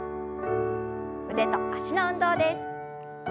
腕と脚の運動です。